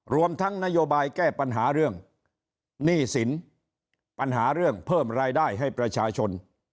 รวมทั้งนโยบายแก้ปัญหาเรื่องหนี้สินปัญหาเรื่องเพิ่มรายได้ให้ประชาชน